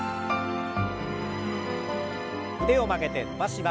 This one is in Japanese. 腕を曲げて伸ばします。